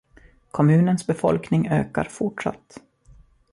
Kommunens befolkning ökar fortsatt.